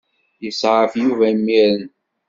Yesɛef Yuba imir-n.